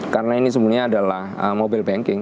karena ini semuanya adalah mobile banking